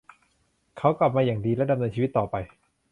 เขากลับมาอย่างดีและดำเนินชีวิตต่อไป